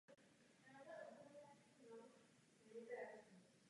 Archeologické průzkumy na pahorku odhalily četné stopy osídlení z doby bronzové i železné.